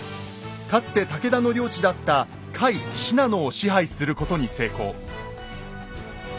かつて武田の領地だった甲斐信濃を支配することに成功。